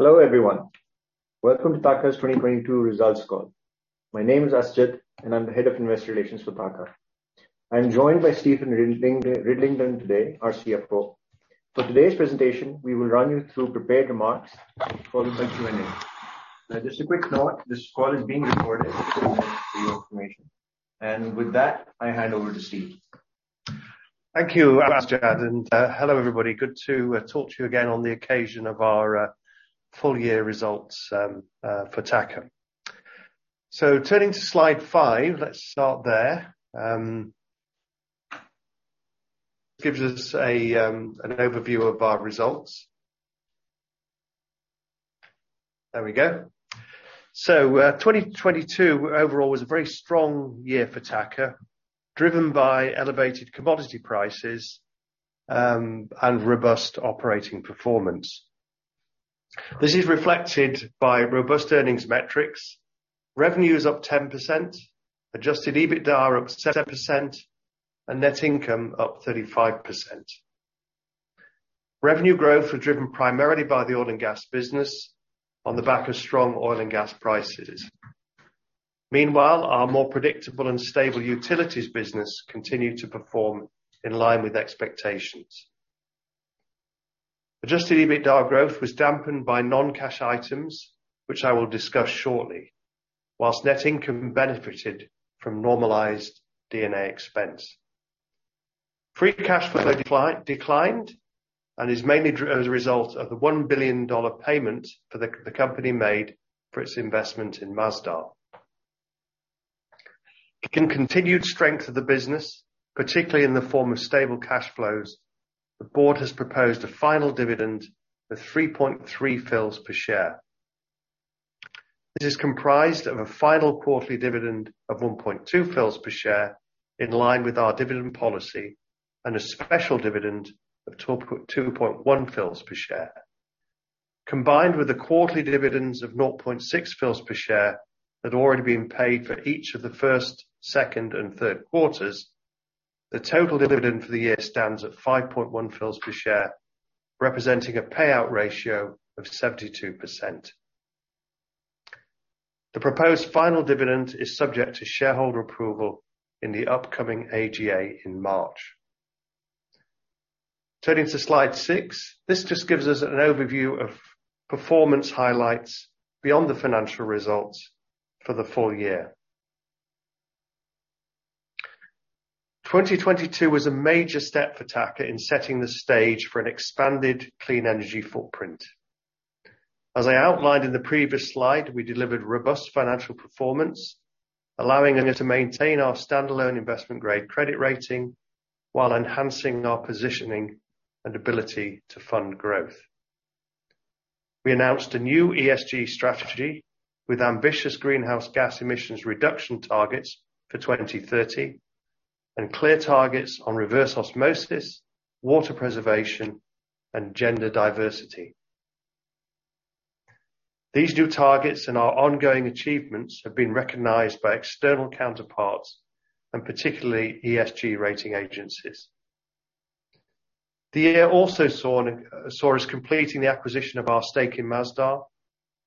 Hello everyone. Welcome to TAQA's 2022 results call. My name is Asjad, and I'm the Head of Investor Relations for TAQA. I'm joined by Stephen Ridlington today, our CFO. For today's presentation, we will run you through prepared remarks, followed by Q&A. Now just a quick note, this call is being recorded for quality and information. With that, I hand over to Steve. Thank you, Asjad, and hello everybody. Good to talk to you again on the occasion of our full year results for TAQA. Turning to slide five, let's start there. Gives us a an overview of our results. There we go. 2022 overall was a very strong year for TAQA, driven by elevated commodity prices and robust operating performance. This is reflected by robust earnings metrics. Revenue is up 10%, adjusted EBITDA up 7%, and net income up 35%. Revenue growth were driven primarily by the oil and gas business on the back of strong oil and gas prices. Meanwhile, our more predictable and stable utilities business continued to perform in line with expectations. Adjusted EBITDA growth was dampened by non-cash items, which I will discuss shortly, whilst net income benefited from normalized D&A expense. Free cash flow declined and is mainly as a result of the $1 billion payment the company made for its investment in Masdar. In continued strength of the business, particularly in the form of stable cash flows, the board has proposed a final dividend of 0.033 per share. This is comprised of a final quarterly dividend of 0.012 per share in line with our dividend policy and a special dividend of 0.021 per share. Combined with the quarterly dividends of 0.006 per share had already been paid for each of the first, second, and third quarters, the total dividend for the year stands at 0.051 per share, representing a payout ratio of 72%. The proposed final dividend is subject to shareholder approval in the upcoming AGM in March. Turning to slide six, this just gives us an overview of performance highlights beyond the financial results for the full year. 2022 was a major step for TAQA in setting the stage for an expanded clean energy footprint. As I outlined in the previous slide, we delivered robust financial performance, allowing us to maintain our standalone investment-grade credit rating while enhancing our positioning and ability to fund growth. We announced a new ESG strategy with ambitious greenhouse gas emissions reduction targets for 2030, and clear targets on reverse osmosis, water preservation, and gender diversity. These new targets and our ongoing achievements have been recognized by external counterparts and particularly ESG rating agencies. The year also saw us completing the acquisition of our stake in Masdar,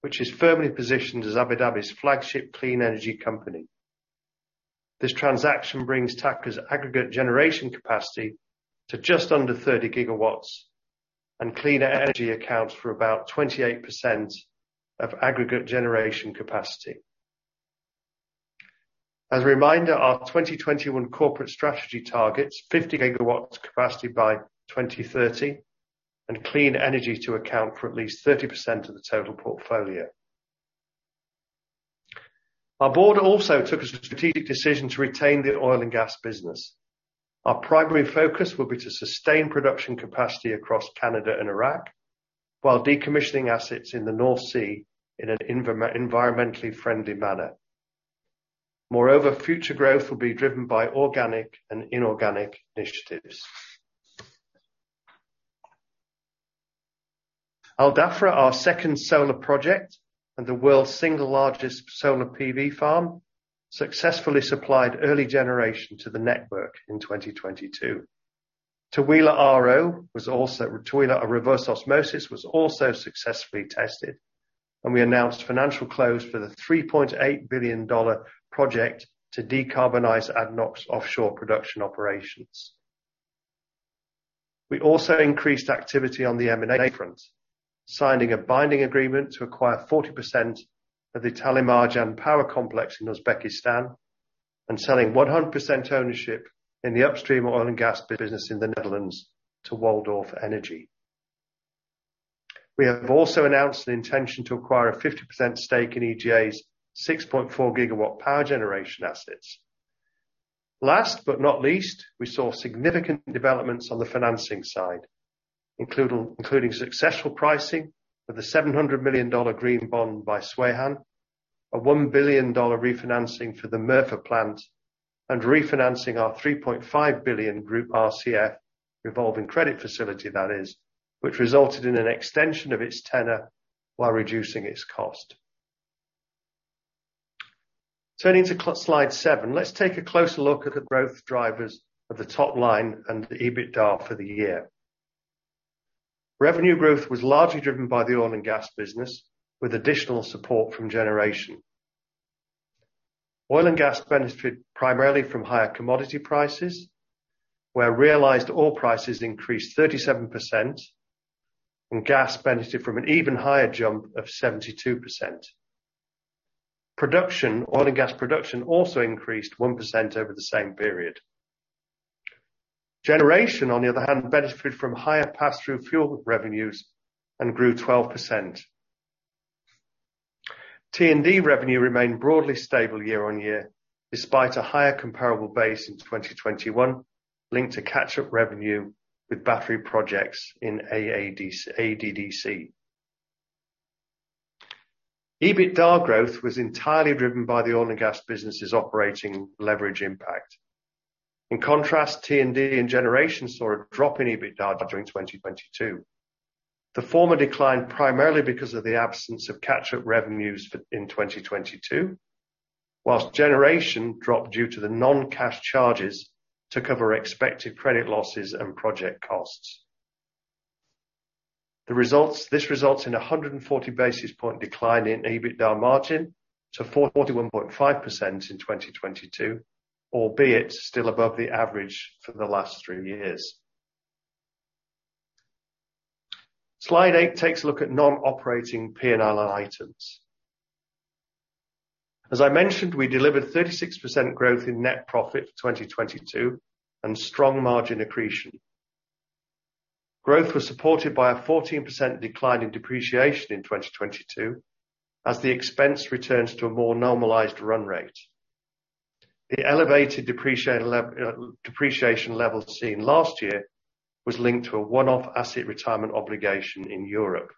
which is firmly positioned as Abu Dhabi's flagship clean energy company. This transaction brings TAQA's aggregate generation capacity to just under 30 gigawatts. Cleaner energy accounts for about 28% of aggregate generation capacity. As a reminder, our 2021 corporate strategy targets 50 gigawatts capacity by 2030 and clean energy to account for at least 30% of the total portfolio. Our board also took a strategic decision to retain the oil and gas business. Our primary focus will be to sustain production capacity across Canada and Iraq, while decommissioning assets in the North Sea in an environmentally friendly manner. Future growth will be driven by organic and inorganic initiatives. Al Dhafra, our second solar project and the world's single largest solar PV farm, successfully supplied early generation to the network in 2022. Taweelah Reverse Osmosis was also successfully tested. We announced financial close for the $3.8 billion project to decarbonize ADNOC's offshore production operations. We also increased activity on the M&A front, signing a binding agreement to acquire 40% of the Talimarjan power complex in Uzbekistan and selling 100% ownership in the upstream oil and gas business in the Netherlands to Waldorf Energy. We have also announced an intention to acquire a 50% stake in EGA's 6.4 gigawatt power generation assets. Last but not least, we saw significant developments on the financing side, including successful pricing of the $700 million green bond by Sweihan, a $1 billion refinancing for the Mirfa plant, and refinancing our $3.5 billion group RCF, revolving credit facility that is, which resulted in an extension of its tenor while reducing its cost. Turning to slide seven, let's take a closer look at the growth drivers of the top line and the EBITDA for the year. Revenue growth was largely driven by the oil and gas business, with additional support from generation. Oil and gas benefited primarily from higher commodity prices, where realized oil prices increased 37% and gas benefited from an even higher jump of 72%. Production, oil and gas production also increased 1% over the same period. Generation, on the other hand, benefited from higher pass-through fuel revenues and grew 12%. T&D revenue remained broadly stable year-on-year despite a higher comparable base in 2021 linked to catch-up revenue with battery projects in ADDC. EBITDA growth was entirely driven by the oil and gas business' operating leverage impact. In contrast, T&D and generation saw a drop in EBITDA during 2022. The former declined primarily because of the absence of catch-up revenues in 2022, whilst generation dropped due to the non-cash charges to cover expected credit losses and project costs. This results in a 140 basis point decline in EBITDA margin to 441.5% in 2022, albeit still above the average for the last three years. Slide eight takes a look at non-operating P&L items. As I mentioned, we delivered 36% growth in net profit for 2022 and strong margin accretion. Growth was supported by a 14% decline in depreciation in 2022 as the expense returns to a more normalized run rate. The elevated depreciation level seen last year was linked to a one-off asset retirement obligation in Europe.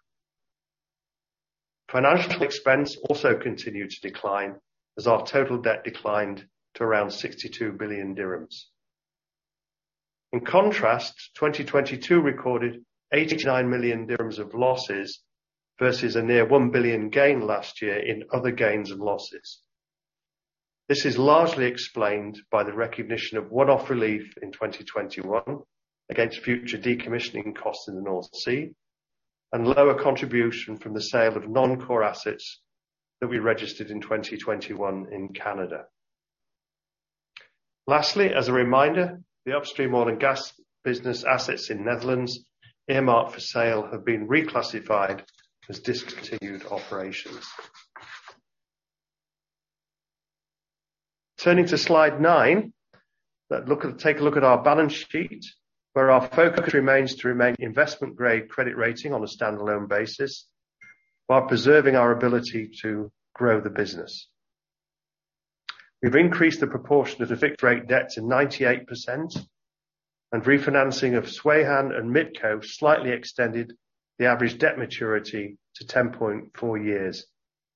Financial expense also continued to decline as our total debt declined to around 62 billion dirhams. In contrast, 2022 recorded 89 million dirhams of losses versus a near 1 billion gain last year in other gains and losses. This is largely explained by the recognition of one-off relief in 2021 against future decommissioning costs in the North Sea and lower contribution from the sale of non-core assets that we registered in 2021 in Canada. Lastly, as a reminder, the upstream oil and gas business assets in Netherlands earmarked for sale have been reclassified as discontinued operations. Turning to slide nine, take a look at our balance sheet, where our focus remains to remain investment-grade credit rating on a standalone basis while preserving our ability to grow the business. We've increased the proportion of the fixed rate debt to 98% and refinancing of Sweihan and MIPCO slightly extended the average debt maturity to 10.4 years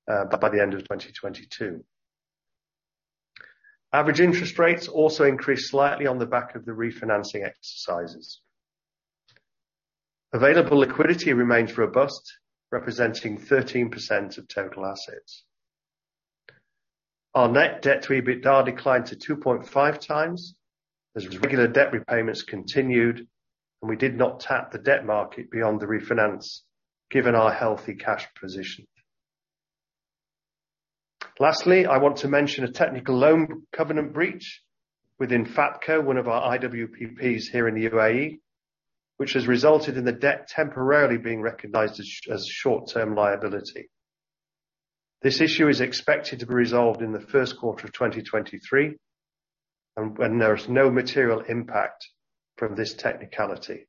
by the end of 2022. Average interest rates also increased slightly on the back of the refinancing exercises. Available liquidity remains robust, representing 13% of total assets. Our net debt to EBITDA declined to 2.5x as regular debt repayments continued. We did not tap the debt market beyond the refinance given our healthy cash position. Lastly, I want to mention a technical loan covenant breach within FAPCA, one of our IWPPs here in the UAE, which has resulted in the debt temporarily being recognized as short-term liability. This issue is expected to be resolved in the first quarter of 2023 and when there is no material impact from this technicality.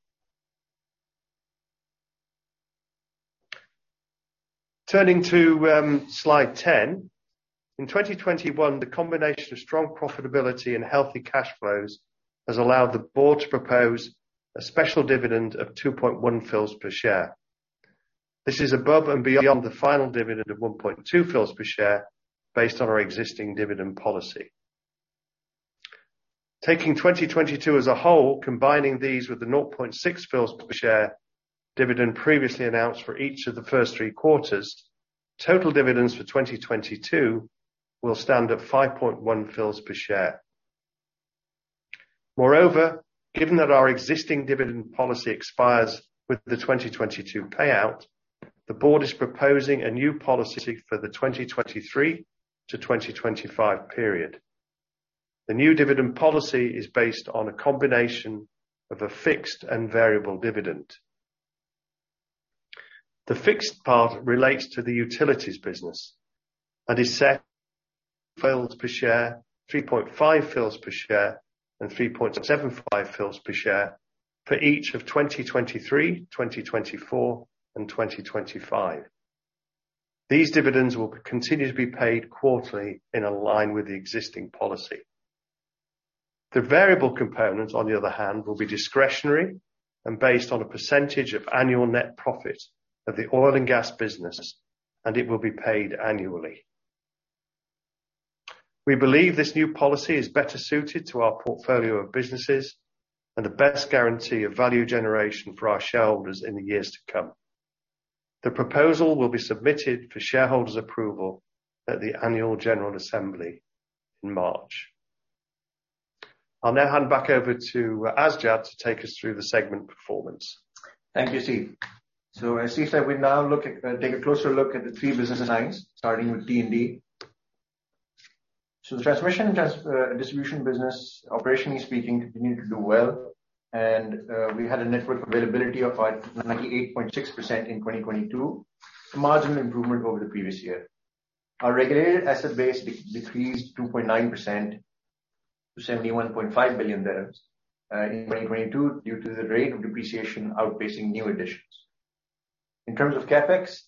Turning to slide 10. In 2021, the combination of strong profitability and healthy cash flows has allowed the board to propose a special dividend of 2.1 fils per share. This is above and beyond the final dividend of 1.2 fils per share based on our existing dividend policy. Taking 2022 as a whole, combining these with the 0.6 fils per share dividend previously announced for each of the first three quarters, total dividends for 2022 will stand at 5.1 fils per share. Moreover, given that our existing dividend policy expires with the 2022 payout, the board is proposing a new policy for the 2023-2025 period. The new dividend policy is based on a combination of a fixed and variable dividend. The fixed part relates to the utilities business and is set fils per share, 3.5 fils per share, and 3.75 fils per share for each of 2023, 2024, and 2025. These dividends will continue to be paid quarterly in a line with the existing policy. The variable component, on the other hand, will be discretionary and based on a percentage of annual net profit of the oil and gas business, and it will be paid annually. We believe this new policy is better suited to our portfolio of businesses and the best guarantee of value generation for our shareholders in the years to come. The proposal will be submitted for shareholders approval at the annual general assembly in March. I'll now hand back over to Asjad to take us through the segment performance. Thank you, Steve. As Steve said, we now look at, take a closer look at the three business lines, starting with T&D. The transmission and distribution business, operationally speaking, continued to do well. We had a network availability of 98.6% in 2022, a margin improvement over the previous year. Our regulated asset base decreased 2.9% to 71.5 billion in 2022 due to the rate of depreciation outpacing new additions. In terms of CapEx,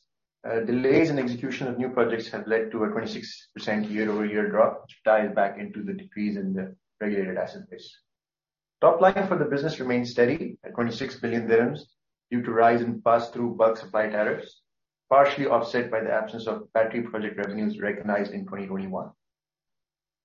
delays in execution of new projects have led to a 26% year-over-year drop, which ties back into the decrease in the regulated asset base. Top line for the business remains steady at 26 billion dirhams due to rise in pass-through bulk supply tariffs, partially offset by the absence of battery project revenues recognized in 2021.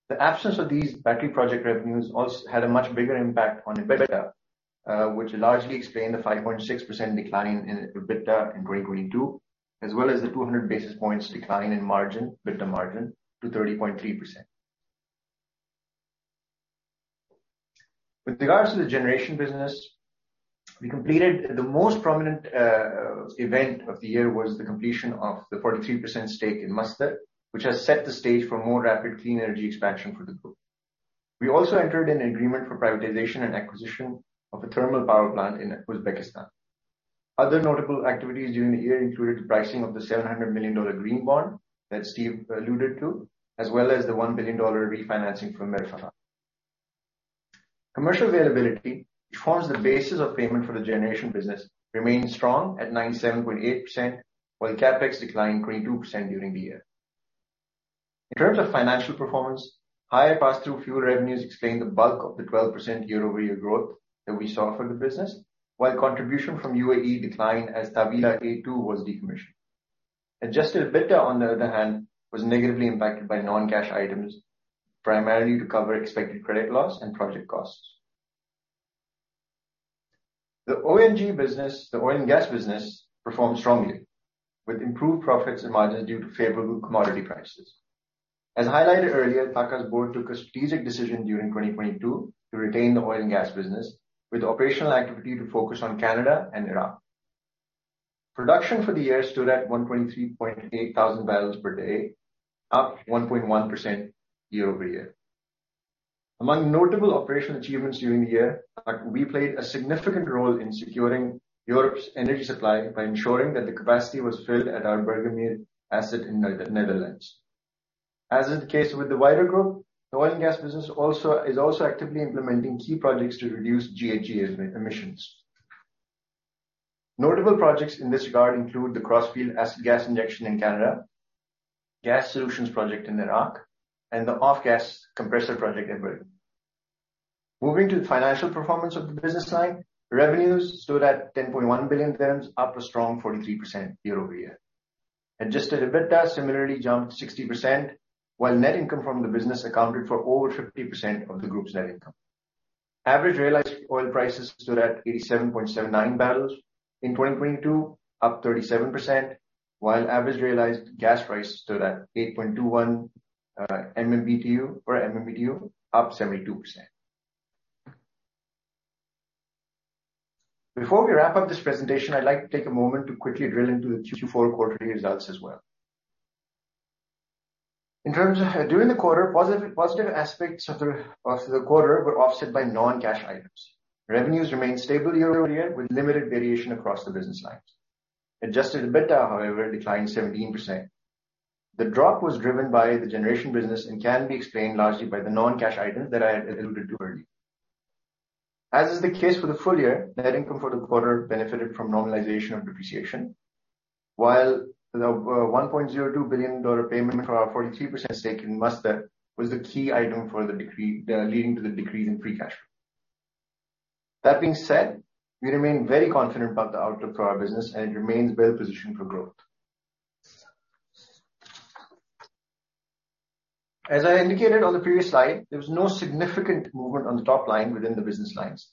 The absence of these battery project revenues also had a much bigger impact on EBITDA, which largely explained the 5.6% decline in EBITDA in 2022, as well as the 200 basis points decline in margin, EBITDA margin to 30.3%. With regards to the generation business, we completed the most prominent event of the year was the completion of the 43% stake in Masdar, which has set the stage for more rapid clean energy expansion for the group. We also entered an agreement for privatization and acquisition of a thermal power plant in Uzbekistan. Other notable activities during the year included the pricing of the $700 million green bond that Steve alluded to, as well as the $1 billion refinancing from Mirfa. Commercial availability, which forms the basis of payment for the generation business, remained strong at 97.8%, while the CapEx declined 22% during the year. In terms of financial performance, higher pass-through fuel revenues explain the bulk of the 12% year-over-year growth that we saw for the business, while contribution from UAE declined as Taweelah A-two was decommissioned. Adjusted EBITDA, on the other hand, was negatively impacted by non-cash items, primarily to cover expected credit loss and project costs. The O&G business, the oil and gas business, performed strongly with improved profits and margins due to favorable commodity prices. As highlighted earlier, TAQA's board took a strategic decision during 2022 to retain the oil and gas business with operational activity to focus on Canada and Iraq. Production for the year stood at 123.8 thousand barrels per day, up 1.1% year-over-year. Among notable operational achievements during the year, we played a significant role in securing Europe's energy supply by ensuring that the capacity was filled at our Bergermeer asset in Netherlands. As is the case with the wider group, the oil and gas business is also actively implementing key projects to reduce GHG emissions. Notable projects in this regard include the Crossfield asset gas injection in Canada, Gas Solutions project in Iraq, and the off-gas compressor project in Bergermeer. Moving to the financial performance of the business line, revenues stood at 10.1 billion dirhams, up a strong 43% year-over-year. Adjusted EBITDA similarly jumped 60%, while net income from the business accounted for over 50% of the group's net income. Average realized oil prices stood at 87.79 barrels in 2022, up 37%, while average realized gas prices stood at 8.21 MMBtu per MMBtu, up 72%. Before we wrap up this presentation, I'd like to take a moment to quickly drill into the Q4 quarterly results as well. During the quarter, positive aspects of the quarter were offset by non-cash items. Revenues remained stable year-over-year with limited variation across the business lines. Adjusted EBITDA, however, declined 17%. The drop was driven by the generation business and can be explained largely by the non-cash items that i alluded to earlier. As is the case for the full year, net income for the quarter benefited from normalization of depreciation, while the $1.02 billion payment for our 43% stake in Masdar was the key item leading to the decrease in free cash flow. That being said, we remain very confident about the outlook for our business, and it remains well positioned for growth. As I indicated on the previous slide, there was no significant movement on the top line within the business lines.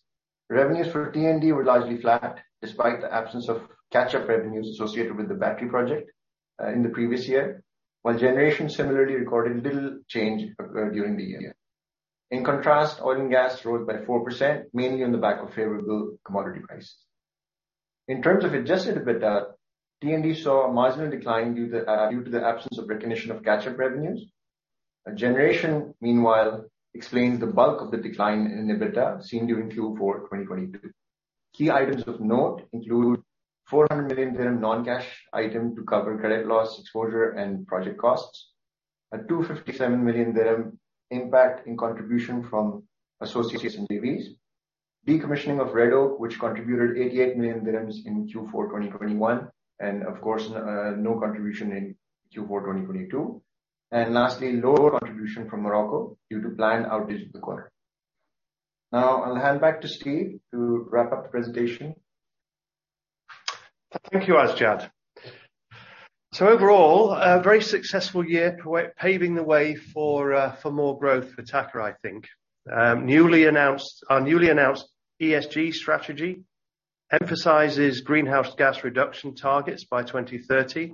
Revenues for T&D were largely flat despite the absence of catch-up revenues associated with the battery project in the previous year, while generation similarly recorded little change during the year. In contrast, oil and gas rose by 4%, mainly on the back of favorable commodity prices. In terms of adjusted EBITDA, T&D saw a marginal decline due to the absence of recognition of catch-up revenues. Generation, meanwhile, explains the bulk of the decline in EBITDA seen during Q4 2022. Key items of note include 400 million dirham non-cash item to cover credit loss exposure and project costs. 257 million dirham impact in contribution from associates and JVs. Decommissioning of Red Oak, which contributed 88 million dirhams in Q4 2021, and of course, no contribution in Q4 2022. Lastly, lower contribution from Morocco due to planned outage of the quarter. Now I'll hand back to Steve to wrap up the presentation. Thank you, Asjad. Overall, a very successful year paving the way for more growth for TAQA, I think. Our newly announced ESG strategy emphasizes greenhouse gas reduction targets by 2030,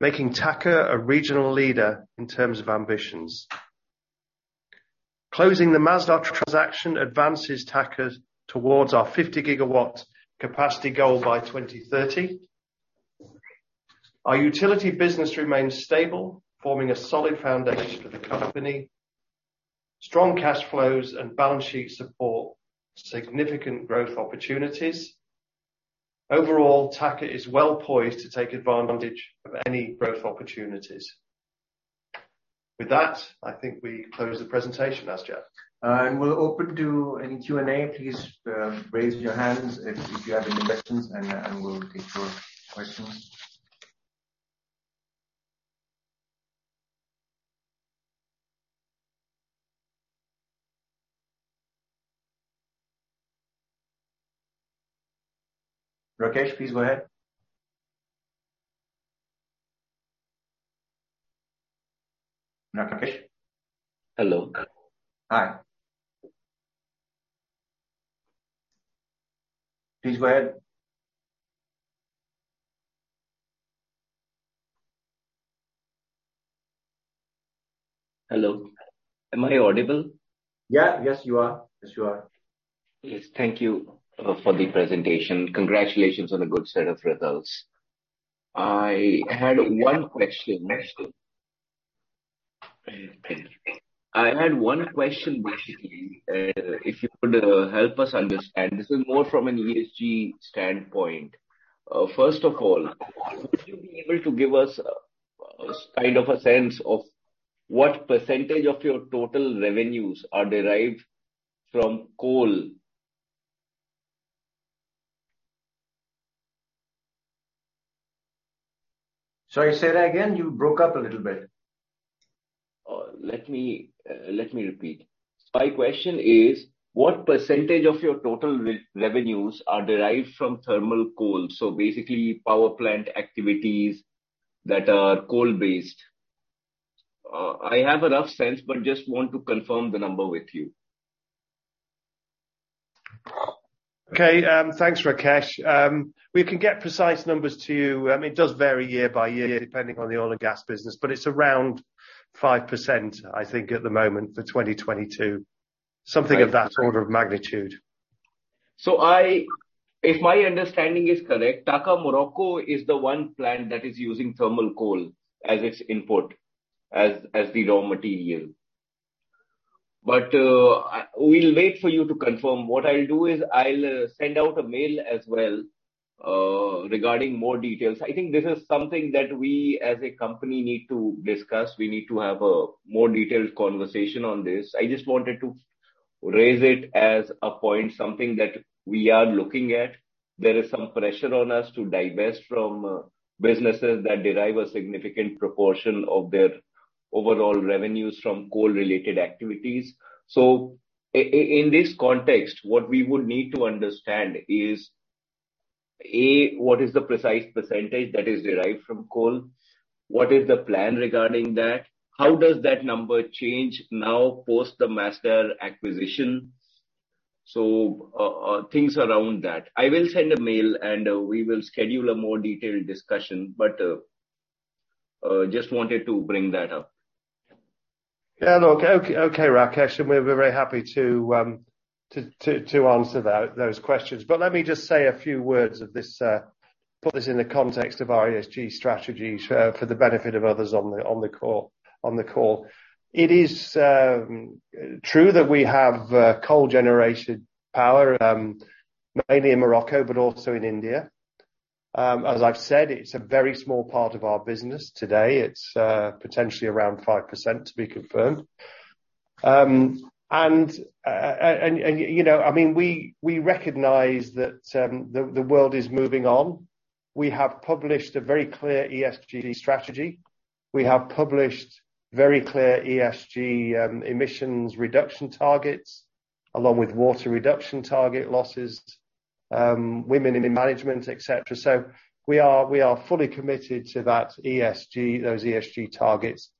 making TAQA a regional leader in terms of ambitions. Closing the Masdar transaction advances TAQA towards our 50 gigawatt capacity goal by 2030. Our utility business remains stable, forming a solid foundation for the company. Strong cash flows and balance sheet support significant growth opportunities. Overall, TAQA is well-poised to take advantage of any growth opportunities. With that, I think we close the presentation, Asjad. We're open to any Q&A. Please raise your hands if you have any questions, and we'll take your questions. Rakesh, please go ahead. No, Rakesh Hello. Hi. Please go ahead. Hello. Am I audible? Yeah. Yes, you are. Yes, you are. Yes. Thank you for the presentation. Congratulations on the good set of results. I had one question, basically. If you could help us understand, this is more from an ESG standpoint. First of all, would you be able to give us kind of a sense of what percent of your total revenues are derived from coal? Sorry, say that again. You broke up a little bit. Let me repeat. My question is, what percent of your total revenues are derived from thermal coal? Basically, power plant activities that are coal-based. I have a rough sense, but just want to confirm the number with you. Okay, thanks, Rakesh. We can get precise numbers to you. I mean, it does vary year by year depending on the oil and gas business, but it's around 5%, I think, at the moment for 2022. Something of that order of magnitude. If my understanding is correct, TAQA Morocco is the one plant that is using thermal coal as its input, as the raw material. We'll wait for you to confirm. What I'll do is I'll send out a mail as well regarding more details. I think this is something that we as a company need to discuss. We need to have a more detailed conversation on this. I just wanted to raise it as a point, something that we are looking at. There is some pressure on us to divest from businesses that derive a significant proportion of their overall revenues from coal-related activities. In this context, what we would need to understand is, A, what is the precise percent that is derived from coal? What is the plan regarding that? How does that number change now, post the Masdar acquisition? Things around that. I will send a mail, and we will schedule a more detailed discussion, but, just wanted to bring that up. Yeah. No. Okay, Rakesh, we're very happy to answer those questions. Let me just say a few words of this, put this in the context of our ESG strategy for the benefit of others on the call. It is true that we have coal-generated power, mainly in Morocco, but also in India. As I've said, it's a very small part of our business today. It's potentially around 5%, to be confirmed. You know, I mean, we recognize that the world is moving on. We have published a very clear ESG strategy. We have published very clear ESG emissions reduction targets, along with water reduction target losses, women in management, et cetera. We are fully committed to that ESG, those ESG targets.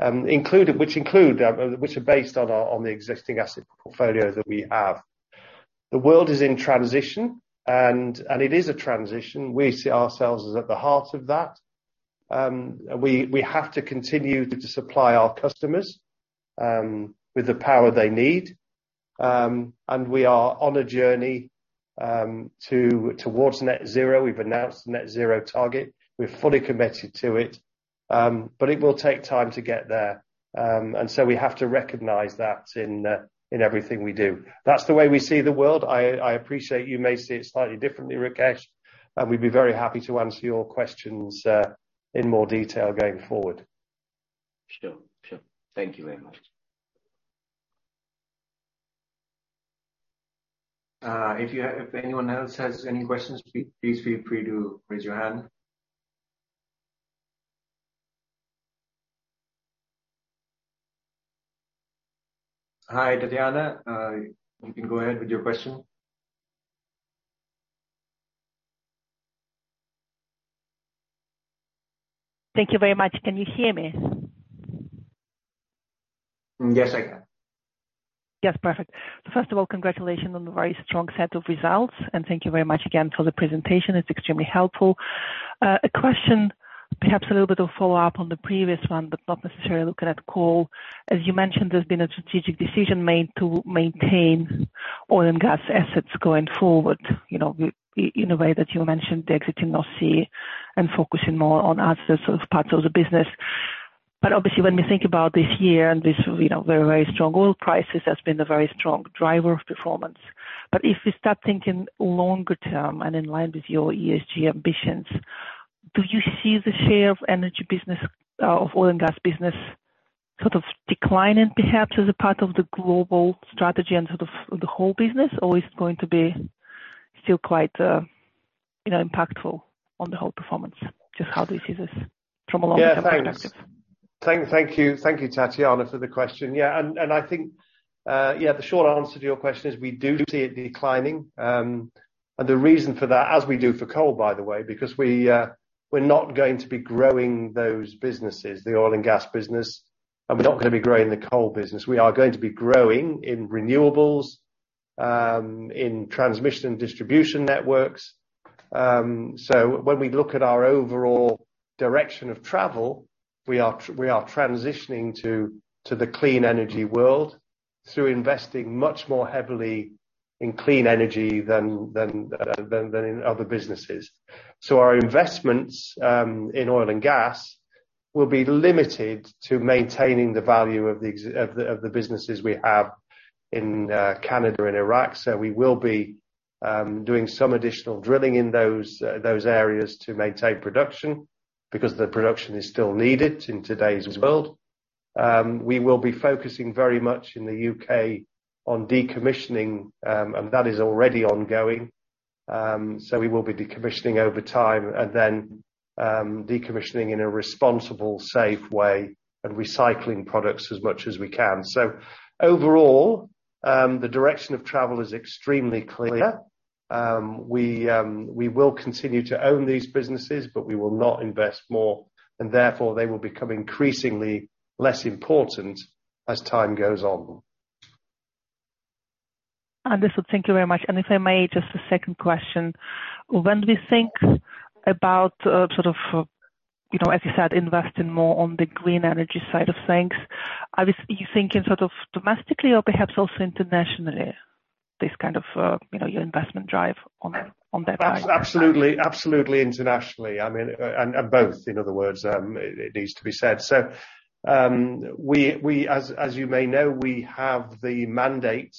Included, which include, which are based on the existing asset portfolio that we have. The world is in transition, and it is a transition. We see ourselves as at the heart of that. We have to continue to supply our customers with the power they need. We are on a journey towards net zero. We've announced net zero target. We're fully committed to it, but it will take time to get there. We have to recognize that in everything we do. That's the way we see the world. I appreciate you may see it slightly differently, Rakesh, and we'd be very happy to answer your questions in more detail going forward. Sure. Sure. Thank you very much. If anyone else has any questions, please feel free to raise your hand. Hi, Tatiana. You can go ahead with your question. Thank you very much. Can you hear me? Yes, I can. Yes. Perfect. First of all, congratulations on the very strong set of results, and thank you very much again for the presentation. It's extremely helpful. A question, perhaps a little bit of follow-up on the previous one, but not necessarily looking at coal. As you mentioned, there's been a strategic decision made to maintain oil and gas assets going forward, you know, in a way that you mentioned exiting North Sea and focusing more on other sort of parts of the business. Obviously, when we think about this year and this, you know, very, very strong oil prices has been a very strong driver of performance, but if we start thinking longer term and in line with your ESG ambitions, do you see the share of energy business of oil and gas business sort of declining perhaps as a part of the global strategy and sort of the whole business? It's going to be still quite, you know, impactful on the whole performance? Just how do you see this from a long-term perspective? Yeah. Thank you. Thank you, Tatiana, for the question. Yeah. I think, yeah, the short answer to your question is we do see it declining. The reason for that, as we do for coal, by the way, because we're not going to be growing those businesses, the oil and gas business, and we're not gonna be growing the coal business. We are going to be growing in renewables, in transmission and distribution networks. When we look at our overall direction of travel, we are transitioning to the clean energy world through investing much more heavily in clean energy than in other businesses. Our investments in oil and gas will be limited to maintaining the value of the businesses we have in Canada and Iraq. We will be doing some additional drilling in those areas to maintain production because the production is still needed in today's world. We will be focusing very much in the UK on decommissioning, and that is already ongoing. We will be decommissioning over time and then decommissioning in a responsible, safe way and recycling products as much as we can. Overall, the direction of travel is extremely clear. We will continue to own these businesses, but we will not invest more, and therefore they will become increasingly less important as time goes on. Understood. Thank you very much. If I may, just a second question. When we think about, sort of, you know, as you said, investing more on the green energy side of things, are you thinking sort of domestically or perhaps also internationally, this kind of, you know, your investment drive on that item? Absolutely, internationally. I mean, and both, in other words, it needs to be said. We, as you may know, we have the mandate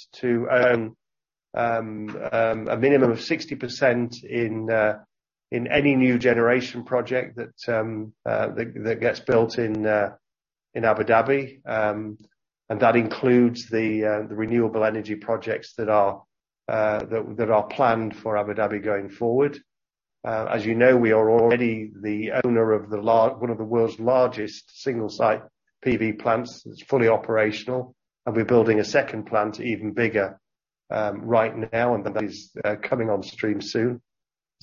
to own a minimum of 60% in any new generation project that gets built in Abu Dhabi. That includes the renewable energy projects that are planned for Abu Dhabi going forward. As you know, we are already the owner of one of the world's largest single site PV plants. It's fully operational, and we're building a second plant even bigger right now, and that is coming on stream soon.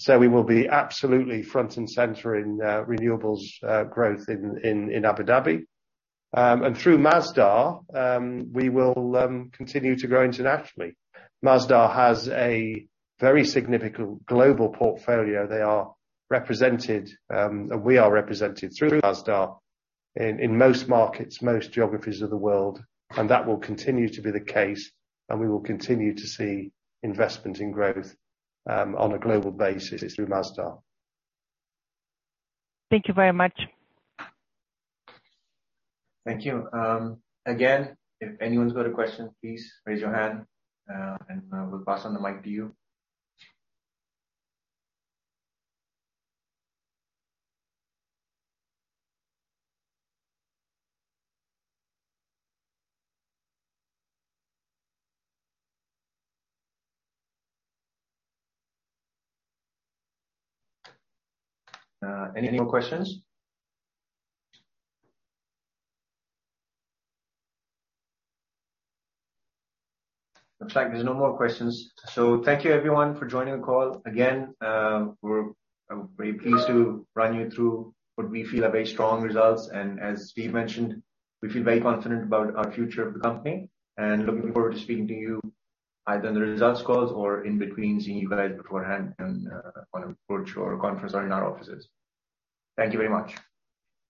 We will be absolutely front and center in renewables growth in Abu Dhabi. Through Masdar, we will continue to grow internationally. Masdar has a very significant global portfolio. They are represented, and we are represented through Masdar in most markets, most geographies of the world, and that will continue to be the case, and we will continue to see investment in growth, on a global basis through Masdar. Thank you very much. Thank you. Again, if anyone's got a question, please raise your hand, we'll pass on the mic to you. Any more questions? Looks like there's no more questions. Thank you everyone for joining the call. Again, we're very pleased to run you through what we feel are very strong results, and as Steve mentioned, we feel very confident about our future of the company and looking forward to speaking to you either on the results calls or in between seeing you guys beforehand and on a virtual conference or in our offices. Thank you very much.